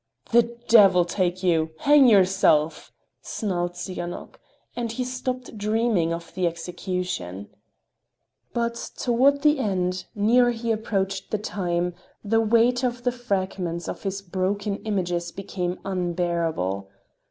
"The devil take you! Hang yourself!" snarled Tsiganok, and he stopped dreaming of the execution. But toward the end, the nearer he approached the time, the weight of the fragments of his broken images became unbearable.